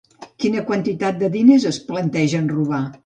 Quina quantitat de diners es plantegen robar?